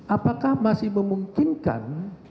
apakah masih memungkinkan